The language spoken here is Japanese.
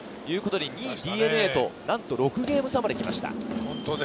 ２位のＤｅＮＡとなんと６ゲーム差まで来ました。